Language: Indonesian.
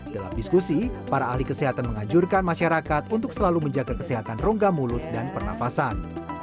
dalam diskusi para ahli kesehatan mengajurkan masyarakat untuk selalu menjaga kesehatan rongga mulut dan pernafasan